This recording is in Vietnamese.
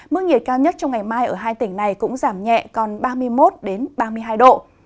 mức nhiệt cao nhất trong ngày mai ở hai tỉnh này cũng giảm nhẹ còn ba mươi một ba mươi hai độ